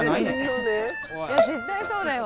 絶対そうだよ。